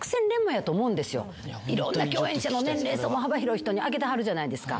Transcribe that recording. いろんな共演者の年齢層も幅広い人にあげてはるじゃないですか。